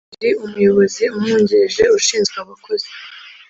wari Umuyobozi Umwungirije Ushinzwe Abakozi